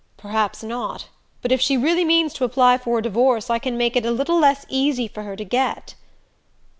"Perhaps not. But if she really means to apply for a divorce I can make it a little less easy for her to get."